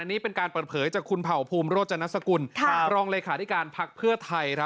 นี่เป็นการเปิดเผยจากคุณเผ่าภูมิโรจนสกุลรองเลขาธิการพักเพื่อไทย